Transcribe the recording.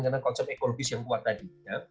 karena konsep ekologis yang kuat tadi